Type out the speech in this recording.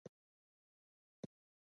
لاړې يې تو کړې.